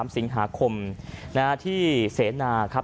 ๓สิงหาคมที่เสนาครับ